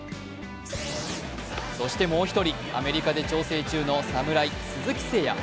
そしてもう１人アメリカで調整中の侍・鈴木誠也。